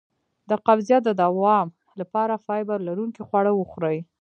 د قبضیت د دوام لپاره فایبر لرونکي خواړه وخورئ